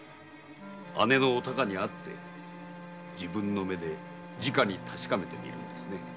姉のお孝に会って自分の目でじかに確かめてみるんですね。